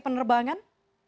penguasasekan ini untuk kita